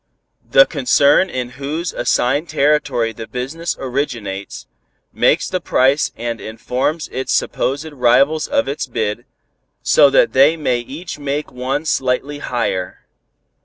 The concern in whose assigned territory the business originates, makes the price and informs its supposed rivals of its bid, so that they may each make one slightly higher."